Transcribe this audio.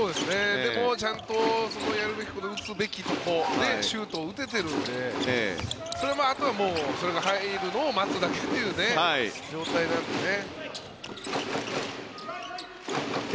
でも、ちゃんとやるべきこと打つべきところでシュートを打てているのであとはそれが入るのを待つだけという状態なんでね。